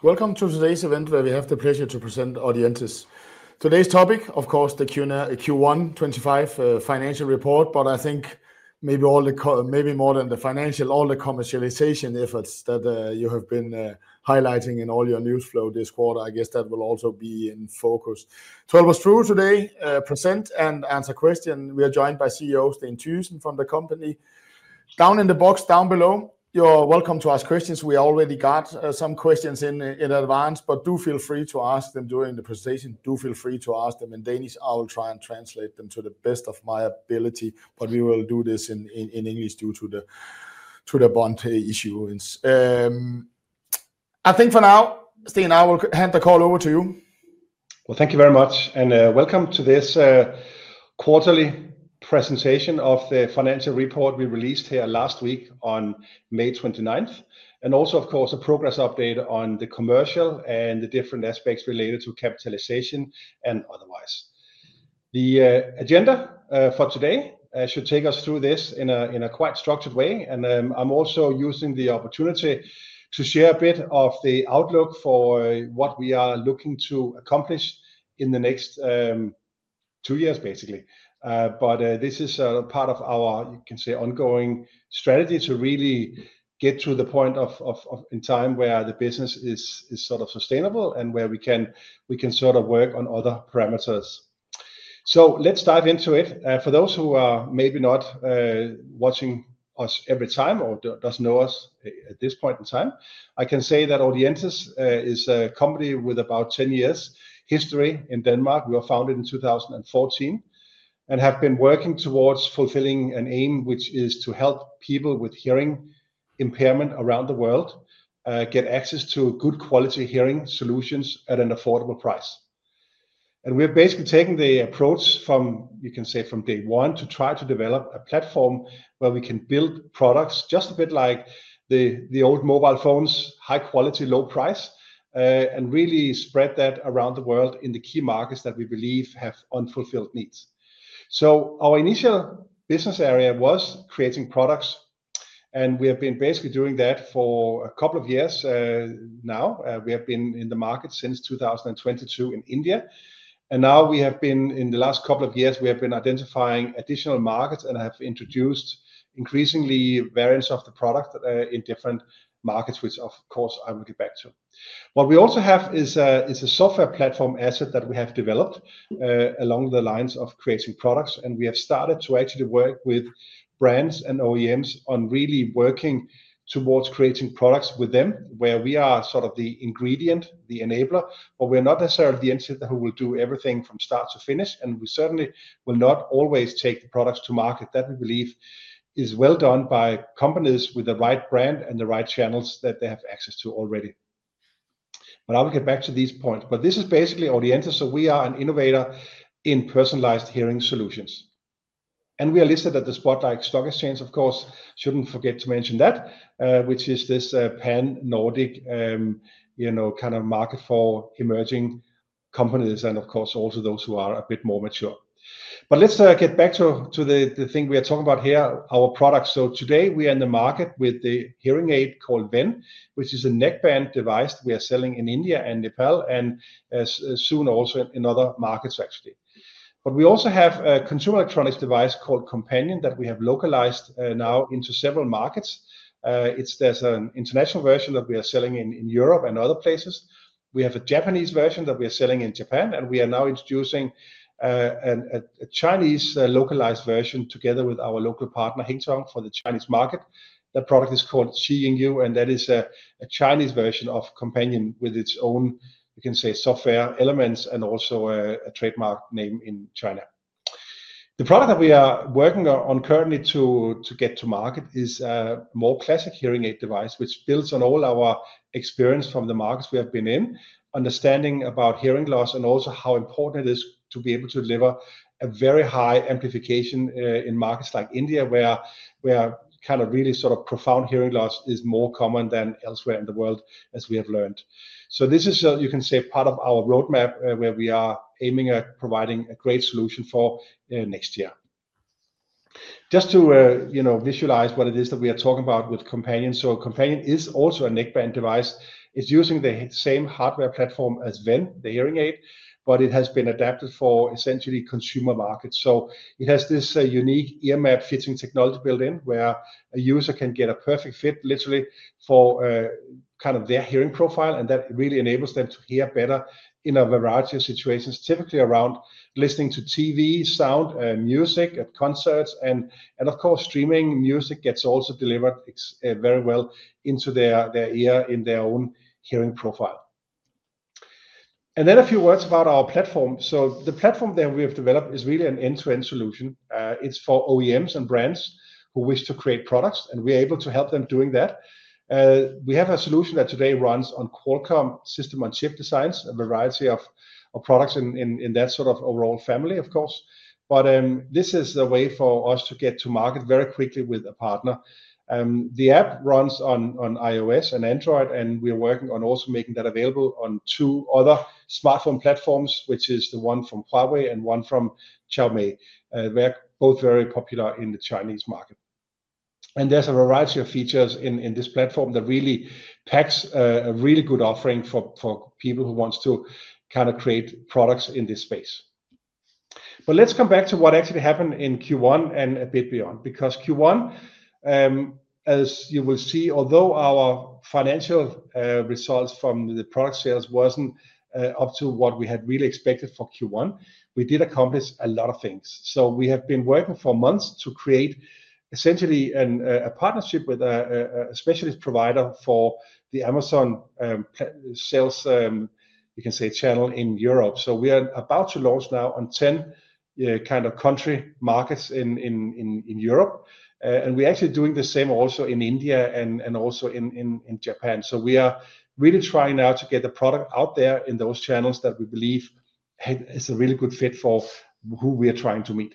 Welcome to today's event, where we have the pleasure to present Audientes. Today's topic, of course, the Q1 2025 financial report, but I think maybe more than the financial, all the commercialization efforts that you have been highlighting in all your news flow this quarter. I guess that will also be in focus. It was through today present and answer questions. We are joined by CEO Steen Thygesen from the company. Down in the box down below, you're welcome to ask questions. We already got some questions in advance, but do feel free to ask them during the presentation. Do feel free to ask them. In Danish, I will try and translate them to the best of my ability, but we will do this in English due to the bond issuance. I think for now, Steen, I will hand the call over to you. Thank you very much, and welcome to this quarterly presentation of the financial report we released here last week on May 29th, and also, of course, a progress update on the commercial and the different aspects related to capitalization and otherwise. The agenda for today should take us through this in a quite structured way, and I'm also using the opportunity to share a bit of the outlook for what we are looking to accomplish in the next two years, basically. This is part of our, you can say, ongoing strategy to really get to the point in time where the business is sort of sustainable and where we can sort of work on other parameters. Let's dive into it. For those who are maybe not watching us every time or do not know us at this point in time, I can say that Audientes is a company with about 10 years history in Denmark. We were founded in 2014 and have been working towards fulfilling an aim, which is to help people with hearing impairment around the world get access to good quality hearing solutions at an affordable price. We are basically taking the approach from, you can say, from day one to try to develop a platform where we can build products just a bit like the old mobile phones, high quality, low price, and really spread that around the world in the key markets that we believe have unfulfilled needs. Our initial business area was creating products, and we have been basically doing that for a couple of years now. We have been in the market since 2022 in India, and now, in the last couple of years, we have been identifying additional markets and have introduced increasingly variants of the product in different markets, which, of course, I will get back to. What we also have is a software platform asset that we have developed along the lines of creating products, and we have started to actually work with brands and OEMs on really working towards creating products with them where we are sort of the ingredient, the enabler, but we're not necessarily the end who will do everything from start to finish, and we certainly will not always take the products to market that we believe is well done by companies with the right brand and the right channels that they have access to already. I will get back to these points. But this is basically Audientes. We are an innovator in personalized hearing solutions, and we are listed at the Spotlight Stock exchange. Of course, should not forget to mention that, which is this pan-Nordic kind of market for emerging companies and, of course, also those who are a bit more mature. Let us get back to the thing we are talking about here, our products. Today we are in the market with the hearing aid called Ven, which is a neckband device we are selling in India and Nepal, and soon also in other markets, actually. We also have a consumer electronics device called Companion that we have localized now into several markets. There is an international version that we are selling in Europe and other places. We have a Japanese version that we are selling in Japan, and we are now introducing a Chinese localized version together with our local partner, Hengtong, for the Chinese market. That product is called ZhiYinYou, and that is a Chinese version of Companion with its own, you can say, software elements and also a trademark name in China. The product that we are working on currently to get to market is a more classic hearing aid device, which builds on all our experience from the markets we have been in, understanding about hearing loss and also how important it is to be able to deliver a very high amplification in markets like India, where kind of really sort of profound hearing loss is more common than elsewhere in the world, as we have learned. This is, you can say, part of our roadmap where we are aiming at providing a great solution for next year. Just to visualize what it is that we are talking about with Companion. Companion is also a neckband device. It is using the same hardware platform as Ven, the hearing aid, but it has been adapted for essentially consumer markets. It has this unique ear map fitting technology built in where a user can get a perfect fit, literally, for kind of their hearing profile, and that really enables them to hear better in a variety of situations, typically around listening to TV sound, music at concerts, and, of course, streaming music gets also delivered very well into their ear in their own hearing profile. A few words about our platform. The platform that we have developed is really an end-to-end solution. It's for OEMs and brands who wish to create products, and we are able to help them doing that. We have a solution that today runs on Qualcomm system on chip designs, a variety of products in that sort of overall family, of course. This is a way for us to get to market very quickly with a partner. The app runs on iOS and Android, and we are working on also making that available on two other smartphone platforms, which is the one from Huawei and one from Xiaomi, both very popular in the Chinese market. There is a variety of features in this platform that really packs a really good offering for people who want to kind of create products in this space. Let's come back to what actually happened in Q1 and a bit beyond, because Q1, as you will see, although our financial results from the product sales were not up to what we had really expected for Q1, we did accomplish a lot of things. We have been working for months to create essentially a partnership with a specialist provider for the Amazon sales, you can say, channel in Europe. We are about to launch now on 10 kind of country markets in Europe, and we are actually doing the same also in India and also in Japan. We are really trying now to get the product out there in those channels that we believe is a really good fit for who we are trying to meet.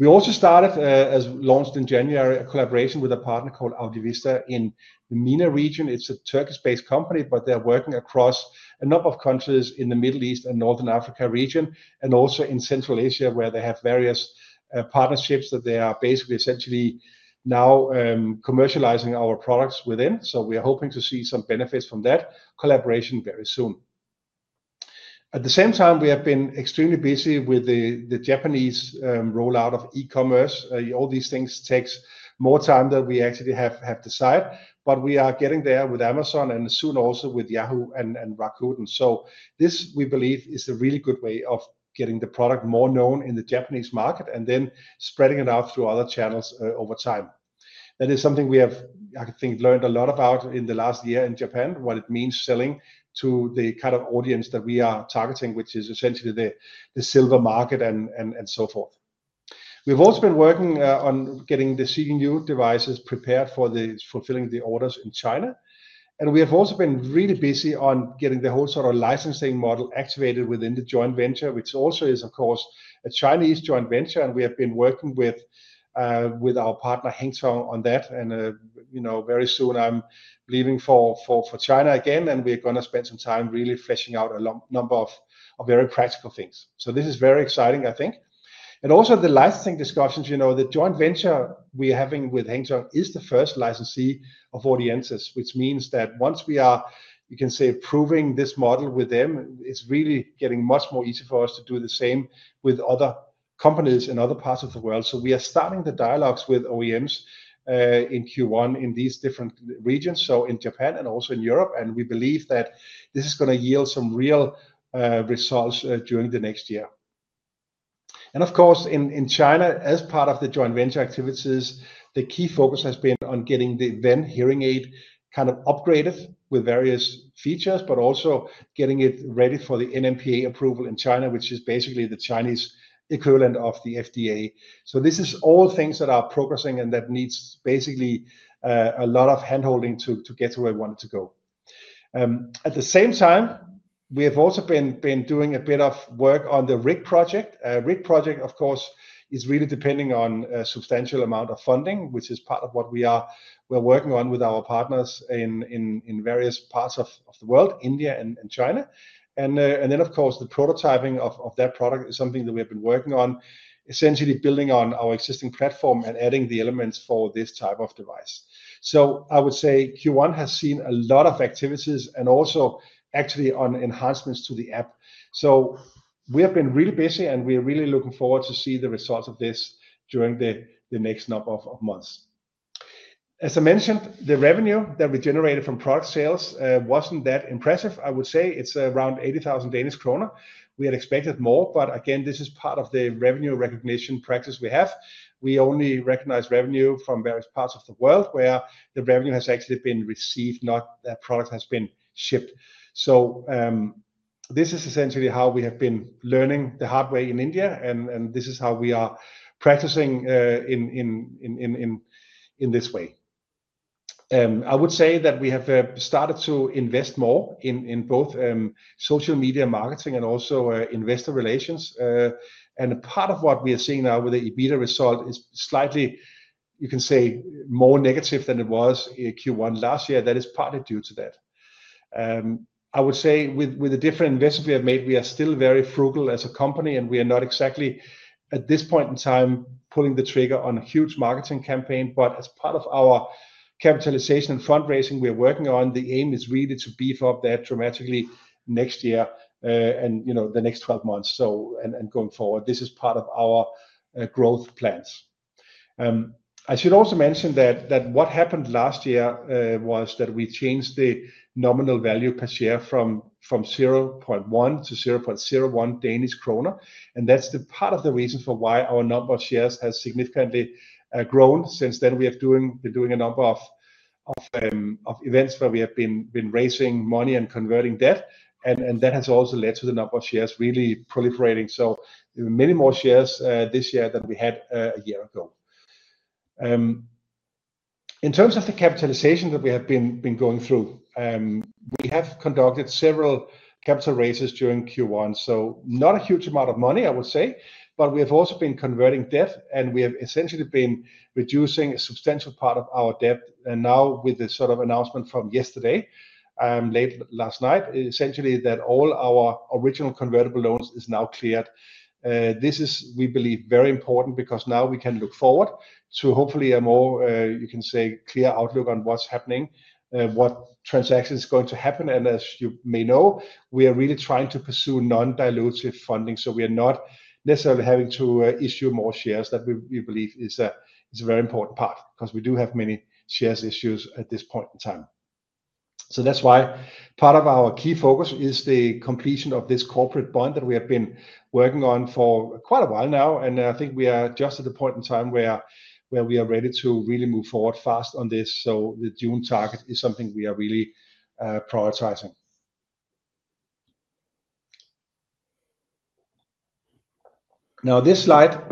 We also started, as launched in January, a collaboration with a partner called Audivista in the MENA region. It's a Turkish-based company, but they're working across a number of countries in the Middle East and Northern Africa region, and also in Central Asia, where they have various partnerships that they are basically essentially now commercializing our products within. We are hoping to see some benefits from that collaboration very soon. At the same time, we have been extremely busy with the Japanese rollout of e-commerce. All these things take more time than we actually have decided, but we are getting there with Amazon and soon also with Yahoo and Rakuten. This, we believe, is a really good way of getting the product more known in the Japanese market and then spreading it out through other channels over time. That is something we have, I think, learned a lot about in the last year in Japan, what it means selling to the kind of audience that we are targeting, which is essentially the silver market and so forth. We've also been working on getting the ZhiYinYou devices prepared for fulfilling the orders in China, and we have also been really busy on getting the whole sort of licensing model activated within the joint venture, which also is, of course, a Chinese joint venture. We have been working with our partner, Hengtong, on that, and very soon I'm leaving for China again, and we're going to spend some time really fleshing out a number of very practical things. This is very exciting, I think. Also, the licensing discussions, you know, the joint venture we are having with Hengtong is the first licensee of Audientes, which means that once we are, you can say, proving this model with them, it's really getting much more easy for us to do the same with other companies in other parts of the world. We are starting the dialogues with OEMs in Q1 in these different regions, in Japan and also in Europe, and we believe that this is going to yield some real results during the next year. Of course, in China, as part of the joint venture activities, the key focus has been on getting the Ven hearing aid kind of upgraded with various features, but also getting it ready for the NMPA approval in China, which is basically the Chinese equivalent of the FDA. This is all things that are progressing and that needs basically a lot of handholding to get to where we wanted to go. At the same time, we have also been doing a bit of work on the RIC project. RIC project, of course, is really depending on a substantial amount of funding, which is part of what we are working on with our partners in various parts of the world, India and China. Then, of course, the prototyping of that product is something that we have been working on, essentially building on our existing platform and adding the elements for this type of device. I would say Q1 has seen a lot of activities and also actually on enhancements to the app. We have been really busy, and we are really looking forward to see the results of this during the next number of months. As I mentioned, the revenue that we generated from product sales was not that impressive. I would say it is around 80,000 Danish kroner. We had expected more, but again, this is part of the revenue recognition practice we have. We only recognize revenue from various parts of the world where the revenue has actually been received, not that product has been shipped. This is essentially how we have been learning the hard way in India, and this is how we are practicing in this way. I would say that we have started to invest more in both social media marketing and also investor relations. Part of what we are seeing now with the EBITDA result is slightly, you can say, more negative than it was in Q1 last year. That is partly due to that. I would say with the different investment we have made, we are still very frugal as a company, and we are not exactly at this point in time pulling the trigger on a huge marketing campaign, but as part of our capitalization and fundraising we are working on, the aim is really to beef up that dramatically next year and the next 12 months and going forward. This is part of our growth plans. I should also mention that what happened last year was that we changed the nominal value per share from 0.1 to 0.01 Danish kroner, and that's part of the reason for why our number of shares has significantly grown since then. We have been doing a number of events where we have been raising money and converting debt, and that has also led to the number of shares really proliferating. so many more shares this year than we had a year ago. In terms of the capitalization that we have been going through, we have conducted several capital raises during Q1, so not a huge amount of money, I would say, but we have also been converting debt, and we have essentially been reducing a substantial part of our debt. Now, with the sort of announcement from yesterday, late last night, essentially that all our original convertible loans is now cleared. This is, we believe, very important because now we can look forward to hopefully a more, you can say, clear outlook on what's happening, what transactions are going to happen. As you may know, we are really trying to pursue non-dilutive funding, so we are not necessarily having to issue more shares. That we believe is a very important part because we do have many shares issues at this point in time. That is why part of our key focus is the completion of this corporate bond that we have been working on for quite a while now, and I think we are just at the point in time where we are ready to really move forward fast on this. The June target is something we are really prioritizing. This slide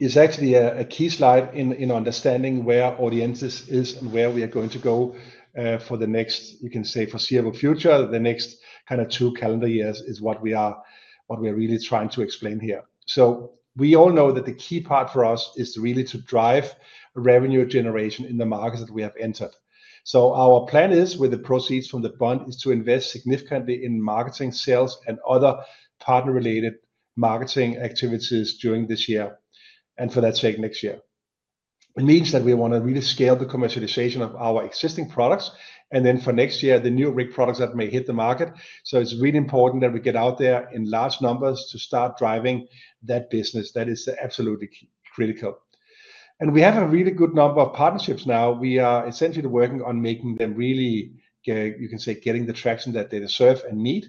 is actually a key slide in understanding where Audientes is and where we are going to go for the next, you can say, foreseeable future. The next kind of two calendar years is what we are really trying to explain here. We all know that the key part for us is really to drive revenue generation in the markets that we have entered. Our plan is, with the proceeds from the bond, to invest significantly in marketing, sales, and other partner-related marketing activities during this year and for that sake next year. It means that we want to really scale the commercialization of our existing products and then for next year, the new RIC products that may hit the market. It is really important that we get out there in large numbers to start driving that business. That is absolutely critical. We have a really good number of partnerships now. We are essentially working on making them really, you can say, getting the traction that they deserve and need.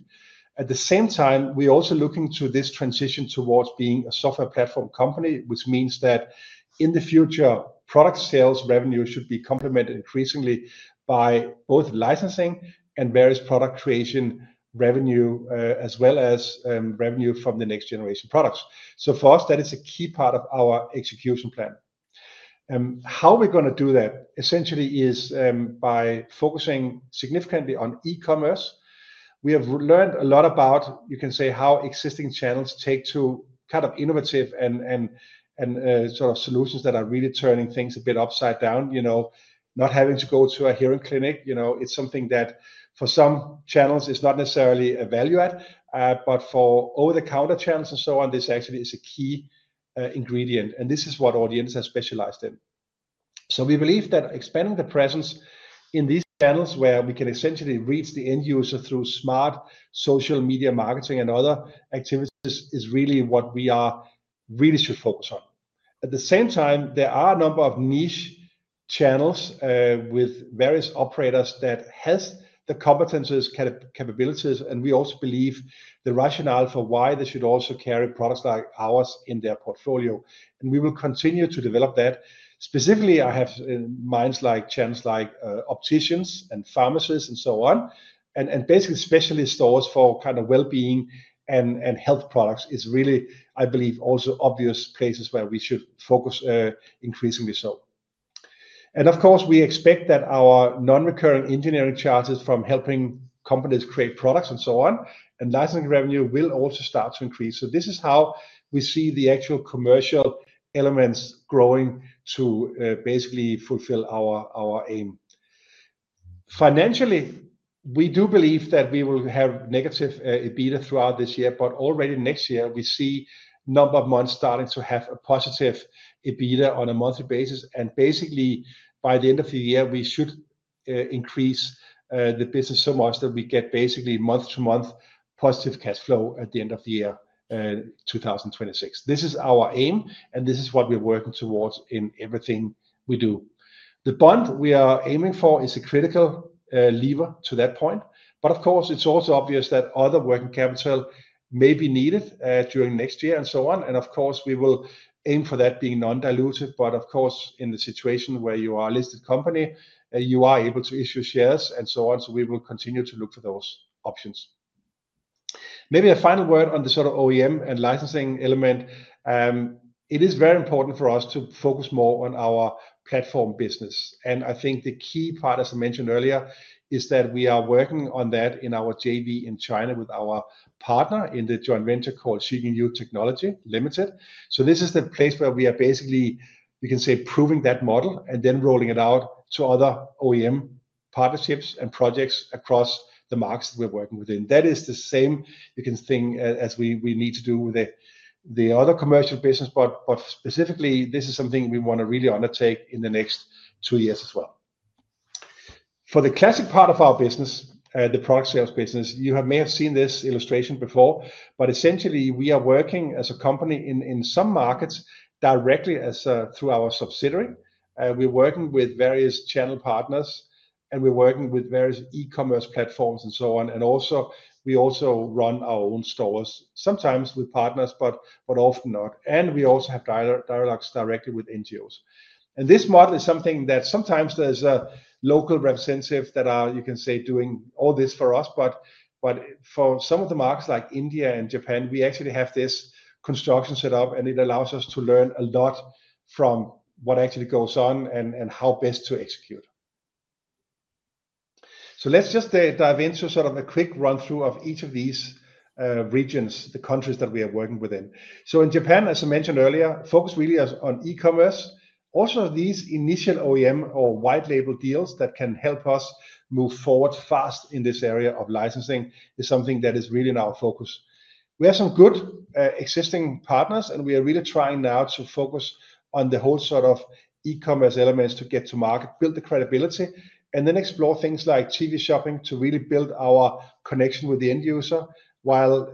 At the same time, we are also looking to this transition towards being a software platform company, which means that in the future, product sales revenue should be complemented increasingly by both licensing and various product creation revenue, as well as revenue from the next generation products. For us, that is a key part of our execution plan. How we're going to do that essentially is by focusing significantly on e-commerce. We have learned a lot about, you can say, how existing channels take to kind of innovative and sort of solutions that are really turning things a bit upside down. Not having to go to a hearing clinic, it's something that for some channels is not necessarily a value add, but for over-the-counter channels and so on, this actually is a key ingredient, and this is what Audientes has specialized in. We believe that expanding the presence in these channels where we can essentially reach the end user through smart social media marketing and other activities is really what we really should focus on. At the same time, there are a number of niche channels with various operators that have the competencies, capabilities, and we also believe the rationale for why they should also carry products like ours in their portfolio. We will continue to develop that. Specifically, I have in mind channels like opticians and pharmacists and so on, and basically specialty stores for kind of well-being and health products is really, I believe, also obvious places where we should focus increasingly so. Of course, we expect that our non-recurring engineering charges from helping companies create products and so on and licensing revenue will also start to increase. This is how we see the actual commercial elements growing to basically fulfill our aim. Financially, we do believe that we will have negative EBITDA throughout this year, but already next year, we see a number of months starting to have a positive EBITDA on a monthly basis. Basically, by the end of the year, we should increase the business so much that we get basically month-to-month positive cash flow at the end of the year 2026. This is our aim, and this is what we're working towards in everything we do. The bond we are aiming for is a critical lever to that point, but of course, it's also obvious that other working capital may be needed during next year and so on. Of course, we will aim for that being non-dilutive, but in the situation where you are a listed company, you are able to issue shares and so on. We will continue to look for those options. Maybe a final word on the sort of OEM and licensing element. It is very important for us to focus more on our platform business. I think the key part, as I mentioned earlier, is that we are working on that in our JV in China with our partner in the joint venture called ZhiYinYou Technology Limited. This is the place where we are basically, you can say, proving that model and then rolling it out to other OEM partnerships and projects across the markets that we're working within. That is the same, you can think, as we need to do with the other commercial business, but specifically, this is something we want to really undertake in the next two years as well. For the classic part of our business, the product sales business, you may have seen this illustration before, but essentially, we are working as a company in some markets directly through our subsidiary. We are working with various channel partners, and we are working with various e-commerce platforms and so on. We also run our own stores, sometimes with partners, but often not. We also have dialogues directly with NGOs. This model is something that sometimes there's a local representative that are, you can say, doing all this for us, but for some of the markets like India and Japan, we actually have this construction set up, and it allows us to learn a lot from what actually goes on and how best to execute. Let's just dive into sort of a quick run-through of each of these regions, the countries that we are working within. In Japan, as I mentioned earlier, focus really on e-commerce. Also, these initial OEM or white-label deals that can help us move forward fast in this area of licensing is something that is really in our focus. We have some good existing partners, and we are really trying now to focus on the whole sort of e-commerce elements to get to market, build the credibility, and then explore things like TV shopping to really build our connection with the end user while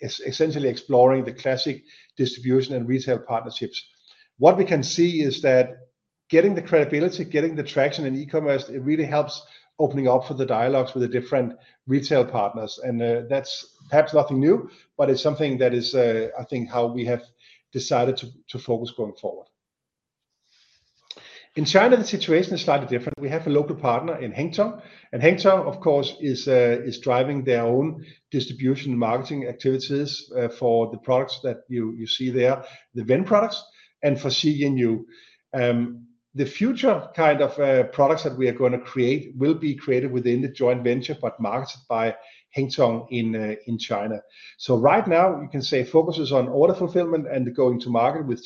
essentially exploring the classic distribution and retail partnerships. What we can see is that getting the credibility, getting the traction in e-commerce, it really helps opening up for the dialogues with the different retail partners. That is perhaps nothing new, but it is something that is, I think, how we have decided to focus going forward. In China, the situation is slightly different. We have a local partner in Hengtong, and Hengtong, of course, is driving their own distribution marketing activities for the products that you see there, the Ven products and for ZhiYinYou. The future kind of products that we are going to create will be created within the joint venture, but marketed by Hengtong in China. Right now, you can say focuses on order fulfillment and going to market with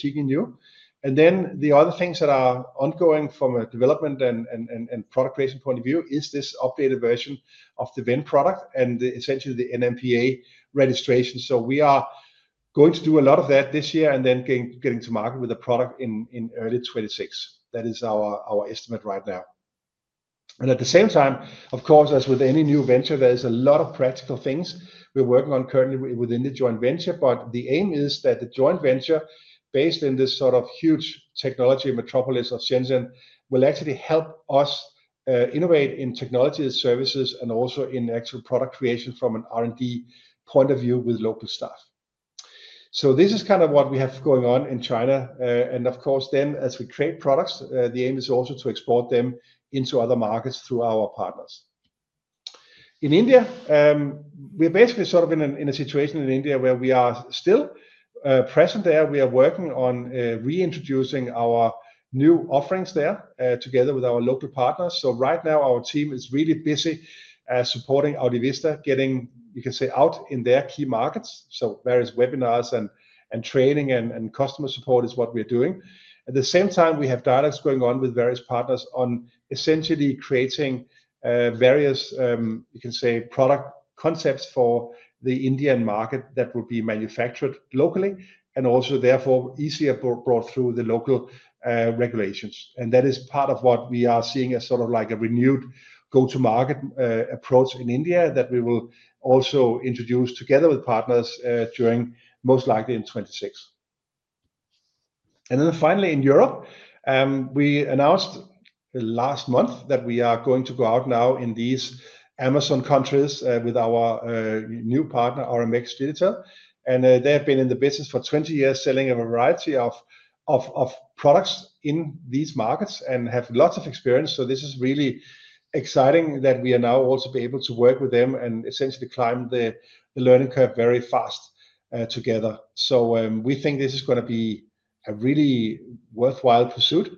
ZhiYinYou. The other things that are ongoing from a development and product creation point of view is this updated version of the Ven product and essentially the NMPA registration. We are going to do a lot of that this year and then getting to market with a product in early 2026. That is our estimate right now. At the same time, of course, as with any new venture, there is a lot of practical things we're working on currently within the joint venture, but the aim is that the joint venture based in this sort of huge technology metropolis of Shenzhen will actually help us innovate in technology services and also in actual product creation from an R&D point of view with local staff. This is kind of what we have going on in China. Of course, then as we create products, the aim is also to export them into other markets through our partners. In India, we're basically sort of in a situation in India where we are still present there. We are working on reintroducing our new offerings there together with our local partners. Right now, our team is really busy supporting Audivista, getting, you can say, out in their key markets. Various webinars and training and customer support is what we're doing. At the same time, we have dialogues going on with various partners on essentially creating various, you can say, product concepts for the Indian market that will be manufactured locally and also therefore easier brought through the local regulations. That is part of what we are seeing as sort of like a renewed go-to-market approach in India that we will also introduce together with partners during most likely in 2026. Finally, in Europe, we announced last month that we are going to go out now in these Amazon countries with our new partner, RMX Digital. They have been in the business for 20 years selling a variety of products in these markets and have lots of experience. This is really exciting that we are now also able to work with them and essentially climb the learning curve very fast together. We think this is going to be a really worthwhile pursuit.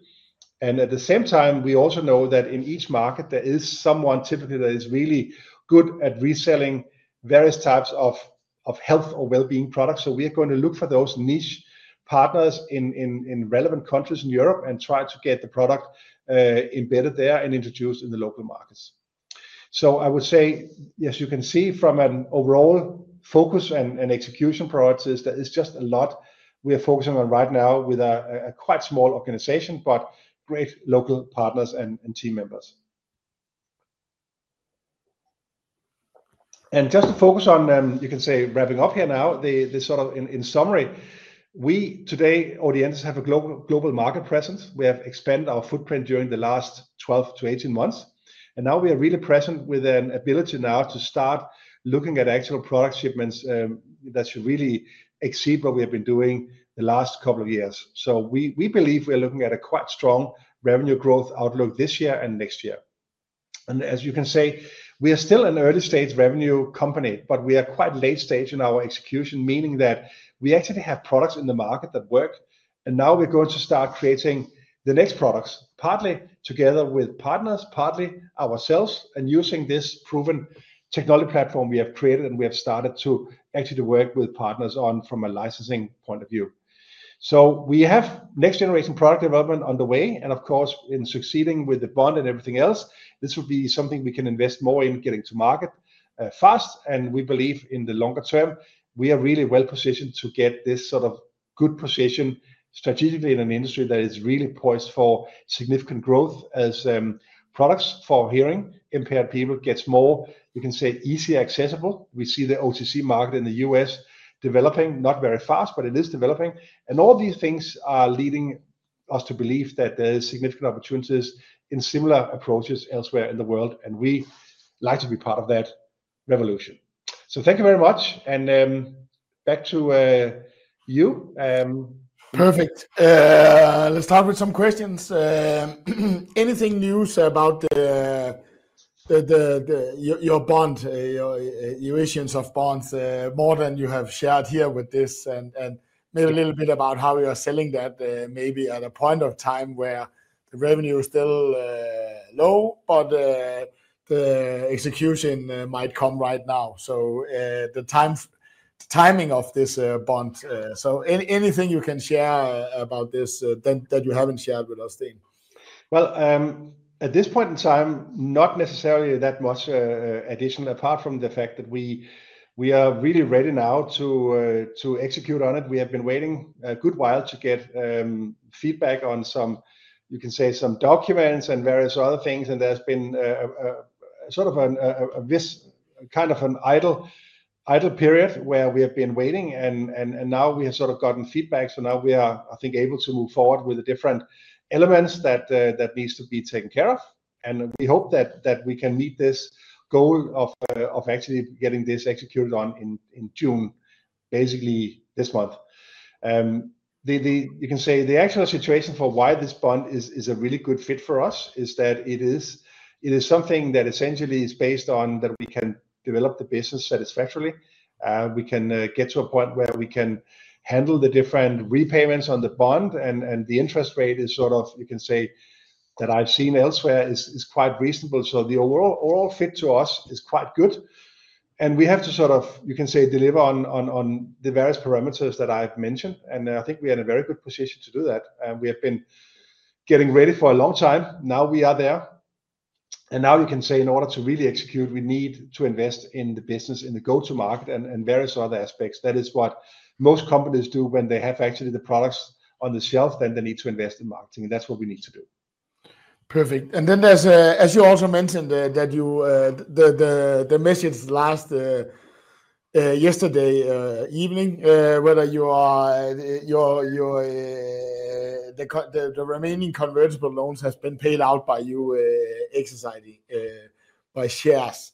At the same time, we also know that in each market, there is someone typically that is really good at reselling various types of health or well-being products. We are going to look for those niche partners in relevant countries in Europe and try to get the product embedded there and introduced in the local markets. I would say, as you can see from an overall focus and execution priorities, there is just a lot we are focusing on right now with a quite small organization, but great local partners and team members. Just to focus on, you can say, wrapping up here now, the sort of in summary, we today, Audientes, have a global market presence. We have expanded our footprint during the last 12 to 18 months, and now we are really present with an ability now to start looking at actual product shipments that should really exceed what we have been doing the last couple of years. We believe we are looking at a quite strong revenue growth outlook this year and next year. As you can say, we are still an early-stage revenue company, but we are quite late-stage in our execution, meaning that we actually have products in the market that work. Now we're going to start creating the next products partly together with partners, partly ourselves, and using this proven technology platform we have created and we have started to actually work with partners on from a licensing point of view. We have next-generation product development on the way, and of course, in succeeding with the bond and everything else, this will be something we can invest more in getting to market fast. We believe in the longer term, we are really well positioned to get this sort of good position strategically in an industry that is really poised for significant growth as products for hearing impaired people get more, you can say, easier accessible. We see the OTC market in the U.S. developing not very fast, but it is developing. All these things are leading us to believe that there are significant opportunities in similar approaches elsewhere in the world, and we like to be part of that revolution. Thank you very much, and back to you. Perfect. Let's start with some questions. Anything new about your bond, your issuance of bonds, more than you have shared here with this, and maybe a little bit about how you are selling that maybe at a point of time where the revenue is still low, but the execution might come right now. The timing of this bond. Anything you can share about this that you haven't shared with us, Steen? At this point in time, not necessarily that much additional apart from the fact that we are really ready now to execute on it. We have been waiting a good while to get feedback on some, you can say, some documents and various other things. There has been sort of a kind of an idle period where we have been waiting, and now we have sort of gotten feedback. Now we are, I think, able to move forward with the different elements that need to be taken care of. We hope that we can meet this goal of actually getting this executed on in June, basically this month. You can say the actual situation for why this bond is a really good fit for us is that it is something that essentially is based on that we can develop the business satisfactorily. We can get to a point where we can handle the different repayments on the bond, and the interest rate is sort of, you can say, that I've seen elsewhere is quite reasonable. The overall fit to us is quite good. We have to sort of, you can say, deliver on the various parameters that I've mentioned. I think we are in a very good position to do that. We have been getting ready for a long time. Now we are there. Now you can say in order to really execute, we need to invest in the business, in the go-to-market, and various other aspects. That is what most companies do when they have actually the products on the shelf, then they need to invest in marketing. That's what we need to do. Perfect. As you also mentioned in the message yesterday evening, whether the remaining convertible loans have been paid out by you exercising by shares.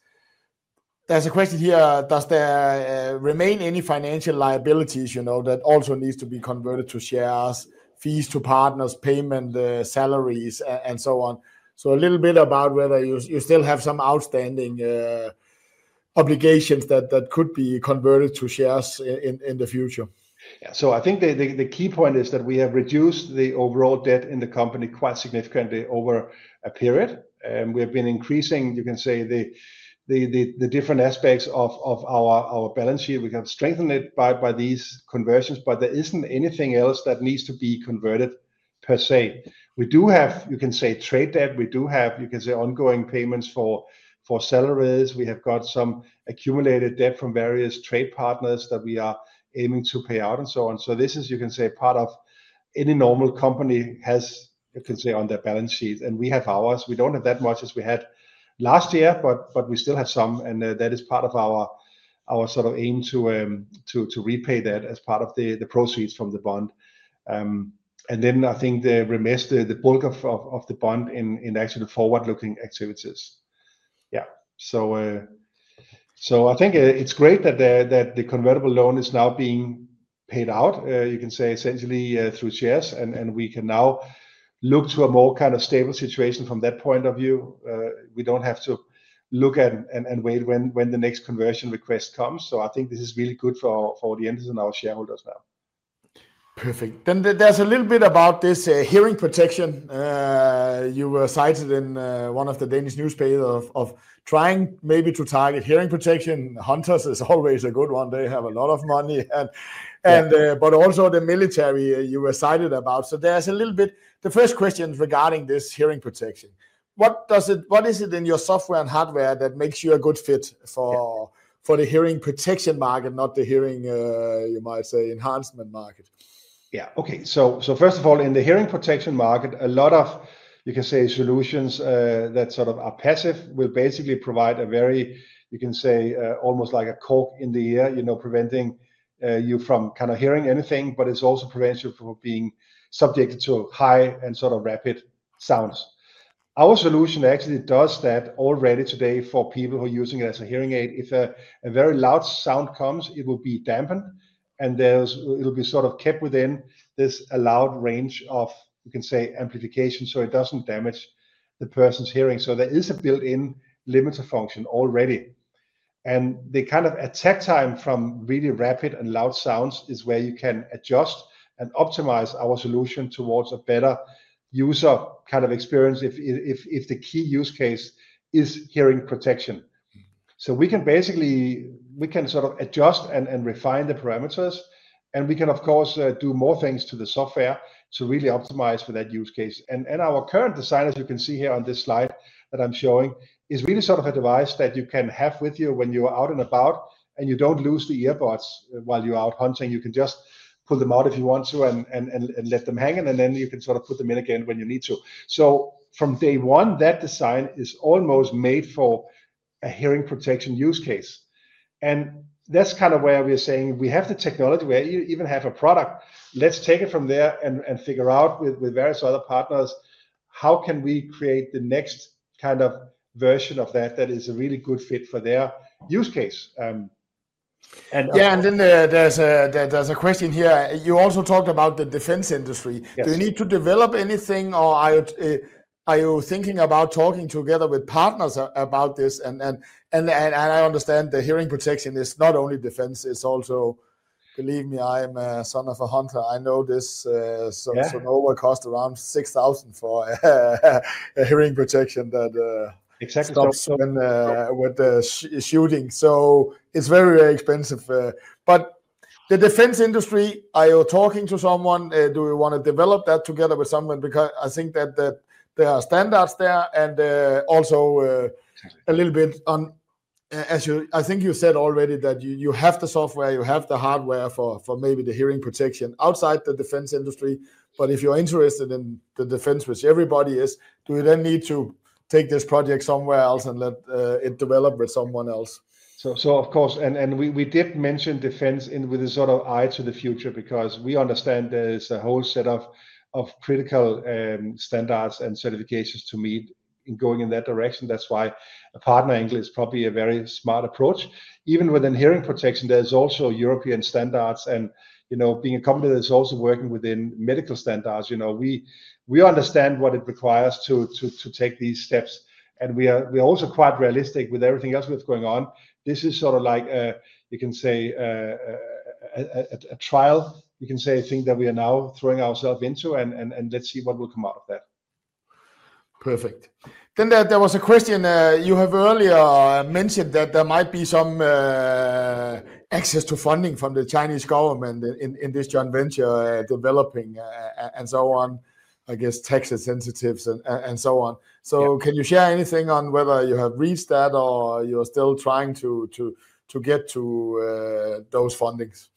There's a question here, does there remain any financial liabilities that also need to be converted to shares, fees to partners, payment, salaries, and so on? A little bit about whether you still have some outstanding obligations that could be converted to shares in the future. Yeah. I think the key point is that we have reduced the overall debt in the company quite significantly over a period. We have been increasing, you can say, the different aspects of our balance sheet. We can strengthen it by these conversions, but there isn't anything else that needs to be converted per se. We do have, you can say, trade debt. We do have, you can say, ongoing payments for salaries. We have got some accumulated debt from various trade partners that we are aiming to pay out and so on. This is, you can say, part of any normal company has, you can say, on their balance sheet. We have ours. We do not have as much as we had last year, but we still have some. That is part of our sort of aim to repay that as part of the proceeds from the bond. I think the remainder, the bulk of the bond, is in actual forward-looking activities. Yeah. I think it is great that the convertible loan is now being paid out, you can say, essentially through shares. We can now look to a more kind of stable situation from that point of view. We do not have to look and wait when the next conversion request comes. I think this is really good for Audientes and our shareholders now. Perfect. There is a little bit about this hearing protection. You were cited in one of the Danish newspapers of trying maybe to target hearing protection. Hunters is always a good one. They have a lot of money. Also the military you were cited about. There is a little bit. The first question regarding this hearing protection, what is it in your software and hardware that makes you a good fit for the hearing protection market, not the hearing, you might say, enhancement market? Yeah. Okay. First of all, in the hearing protection market, a lot of, you can say, solutions that sort of are passive will basically provide a very, you can say, almost like a cork in the ear, preventing you from kind of hearing anything, but it also prevents you from being subjected to high and sort of rapid sounds. Our solution actually does that already today for people who are using it as a hearing aid. If a very loud sound comes, it will be dampened, and it will be sort of kept within this allowed range of, you can say, amplification so it does not damage the person's hearing. There is a built-in limiter function already. The kind of attack time from really rapid and loud sounds is where you can adjust and optimize our solution towards a better user kind of experience if the key use case is hearing protection. We can basically sort of adjust and refine the parameters, and we can, of course, do more things to the software to really optimize for that use case. Our current design, as you can see here on this slide that I'm showing, is really sort of a device that you can have with you when you're out and about, and you don't lose the earbuds while you're out hunting. You can just pull them out if you want to and let them hang, and then you can sort of put them in again when you need to. From day one, that design is almost made for a hearing protection use case. That is kind of where we are saying we have the technology where you even have a product. Let's take it from there and figure out with various other partners how can we create the next kind of version of that that is a really good fit for their use case. Yeah. There is a question here. You also talked about the defense industry. Do you need to develop anything, or are you thinking about talking together with partners about this? I understand the hearing protection is not only defense. It is also, believe me, I am a son of a hunter. I know this. Sonova costs around 6,000 for a hearing protection that stops with the shooting. It is very, very expensive. The defense industry, are you talking to someone? Do you want to develop that together with someone? Because I think that there are standards there and also a little bit on, I think you said already that you have the software, you have the hardware for maybe the hearing protection outside the defense industry. If you're interested in the defense, which everybody is, do you then need to take this project somewhere else and let it develop with someone else? Of course. We did mention defense with a sort of eye to the future because we understand there is a whole set of critical standards and certifications to meet in going in that direction. That is why a partner angle is probably a very smart approach. Even within hearing protection, there are also European standards. Being a company that is also working within medical standards, we understand what it requires to take these steps. We are also quite realistic with everything else we have going on. This is sort of like, you can say, a trial, you can say, a thing that we are now throwing ourselves into, and let's see what will come out of that. Perfect. There was a question. You have earlier mentioned that there might be some access to funding from the Chinese government in this joint venture developing and so on, I guess, tax sensitives and so on. Can you share anything on whether you have reached that or you are still trying to get to those fundings?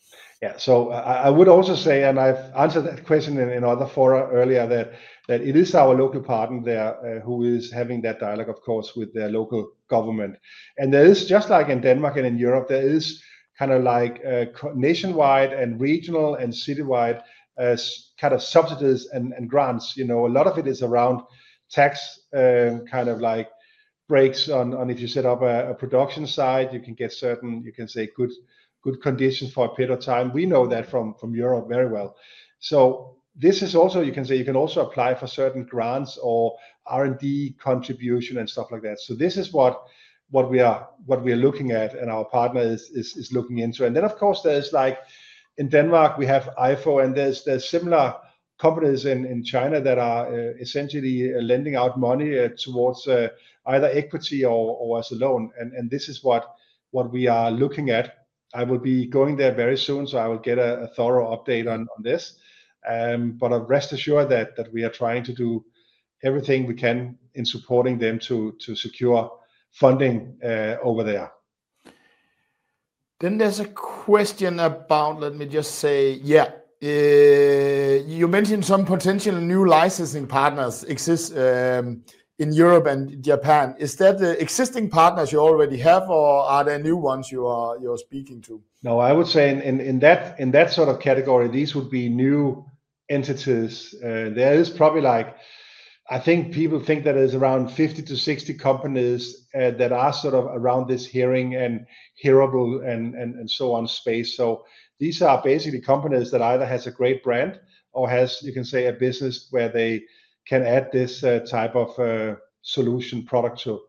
Yeah. I would also say, and I've answered that question in other fora earlier, that it is our local partner there who is having that dialogue, of course, with their local government. There is, just like in Denmark and in Europe, kind of like nationwide and regional and citywide kind of subsidies and grants. A lot of it is around tax kind of like breaks on if you set up a production site, you can get certain, you can say, good conditions for a period of time. We know that from Europe very well. This is also, you can say, you can also apply for certain grants or R&D contribution and stuff like that. This is what we are looking at and our partner is looking into. Of course, like in Denmark, we have EIFO, and there are similar companies in China that are essentially lending out money towards either equity or as a loan. This is what we are looking at. I will be going there very soon, so I will get a thorough update on this. Rest assured that we are trying to do everything we can in supporting them to secure funding over there. There is a question about, let me just say, yeah, you mentioned some potential new licensing partners exist in Europe and Japan. Is that the existing partners you already have, or are there new ones you are speaking to? No, I would say in that sort of category, these would be new entities. There is probably, like, I think people think that there are around 50-60 companies that are sort of around this hearing and hearable and so on space. These are basically companies that either have a great brand or have, you can say, a business where they can add this type of solution product to.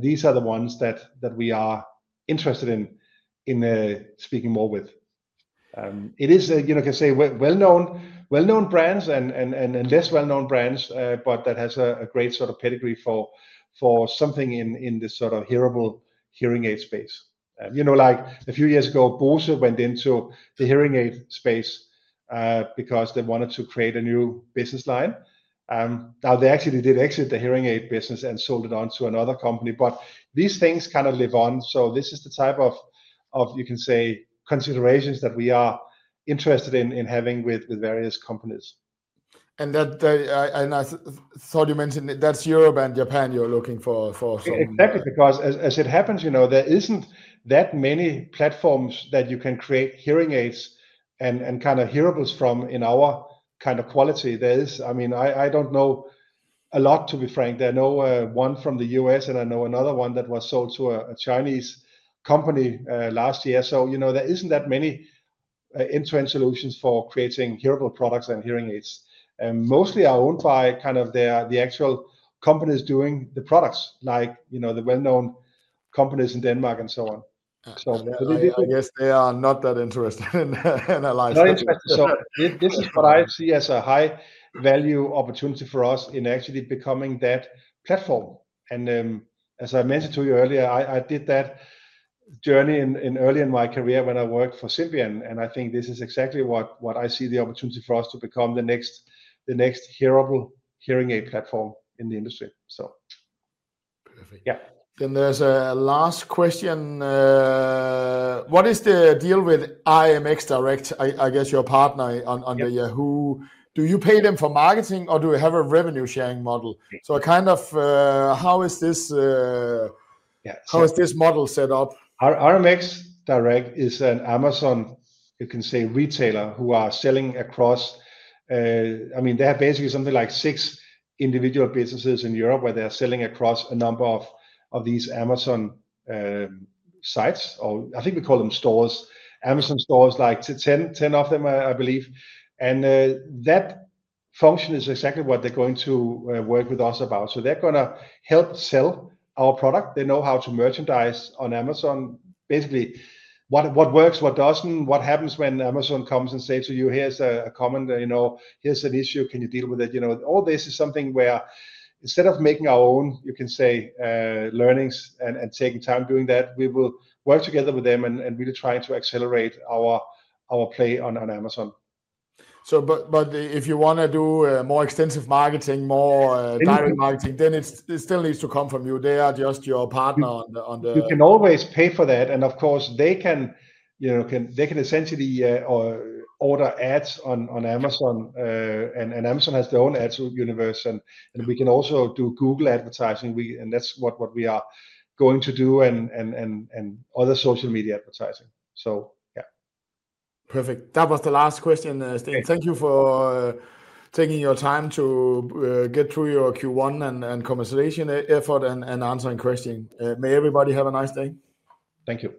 These are the ones that we are interested in speaking more with. It is, you can say, well-known brands and less well-known brands, but that has a great sort of pedigree for something in this sort of hearable hearing aid space. Like a few years ago, Bose went into the hearing aid space because they wanted to create a new business line. Now, they actually did exit the hearing aid business and sold it on to another company. These things kind of live on. This is the type of, you can say, considerations that we are interested in having with various companies. I thought you mentioned that's Europe and Japan you're looking for something. Exactly. As it happens, there isn't that many platforms that you can create hearing aids and kind of hearables from in our kind of quality. There is, I mean, I don't know a lot, to be frank. There's no one from the U.S., and I know another one that was sold to a Chinese company last year. So there isn't that many end-to-end solutions for creating hearable products and hearing aids. Mostly are owned by kind of the actual companies doing the products, like the well-known companies in Denmark and so on. I guess they are not that interested in a license. Not interested. This is what I see as a high-value opportunity for us in actually becoming that platform. As I mentioned to you earlier, I did that journey early in my career when I worked for Symbian. I think this is exactly what I see the opportunity for us to become the next hearable hearing aid platform in the industry. Perfect. Yeah. There's a last question. What is the deal with RMXdirect, I guess your partner under Yahoo? Do you pay them for marketing, or do you have a revenue-sharing model? Kind of how is this model set up? RMXdirect is an Amazon, you can say, retailer who are selling across. I mean, they have basically something like six individual businesses in Europe where they're selling across a number of these Amazon sites, or I think we call them stores, Amazon stores, like 10 of them, I believe. That function is exactly what they're going to work with us about. They're going to help sell our product. They know how to merchandise on Amazon, basically what works, what does not, what happens when Amazon comes and says to you, "Here is a comment, here is an issue, can you deal with it?" All this is something where instead of making our own, you can say, learnings and taking time doing that, we will work together with them and really try to accelerate our play on Amazon. If you want to do more extensive marketing, more direct marketing, then it still needs to come from you. They are just your partner on the. You can always pay for that. Of course, they can essentially order ads on Amazon. Amazon has their own ads universe. We can also do Google advertising. That is what we are going to do and other social media advertising. Yeah. Perfect. That was the last question. Thank you for taking your time to get through your Q1 and conversation effort and answering questions. May everybody have a nice day. Thank you.